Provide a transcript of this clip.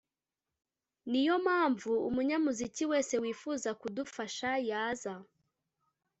niyo mpamvu umunyamuziki wese wifuza kudufasha yaza